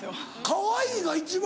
かわいいが一番。